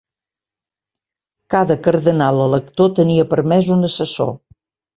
Cada cardenal elector tenia permès un assessor.